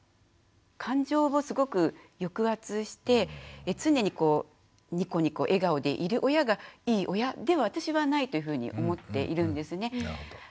感情をすごく抑圧して常にこうニコニコ笑顔でいる親がいい親では私はないというふうに思っているんですね。